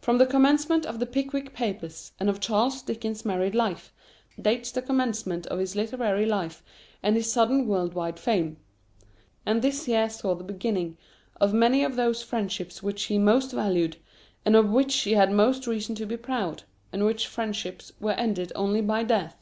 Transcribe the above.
From the commencement of "The Pickwick Papers," and of Charles Dickens's married life, dates the commencement of his literary life and his sudden world wide fame. And this year saw the beginning of many of those friendships which he most valued, and of which he had most reason to be proud, and which friendships were ended only by death.